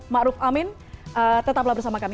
ma'ruf amin tetaplah bersama kami